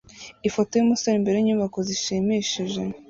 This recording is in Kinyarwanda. Ifoto yumusore imbere yinyubako zishimishije